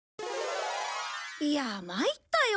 いやまいったよ。